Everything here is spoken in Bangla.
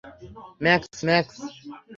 Max - max!